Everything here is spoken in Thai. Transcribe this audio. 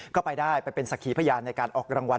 ก็ไปได้ไปเป็นสักขีพยานในการออกรางวัล